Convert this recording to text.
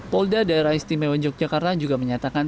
polda daerah istimewa yogyakarta juga menyatakan